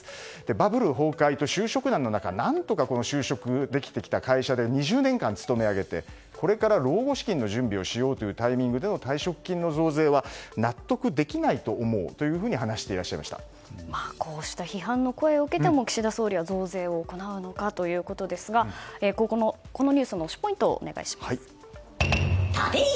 バブル崩壊と就職難の中何とか就職できてきた会社で２０年間勤め上げてこれから老後資金の準備をしようというタイミングで退職金の増税は納得できないとこうした批判の声を受けても岸田総理は増税を行うのかということですがこのニュースの推しポイントをお願いします。